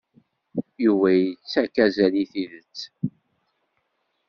Yuba ittak azal i tidet.